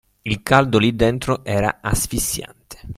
Il caldo lì dentro era asfissiante.